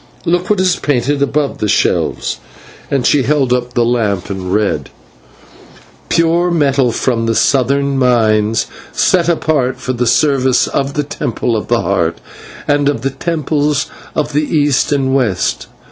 Look what is painted upon the shelves," and she held up the lamp and read: "Pure metal from the southern mines, set apart for the services of the Temple of the Heart, and of the Temples of the East and West.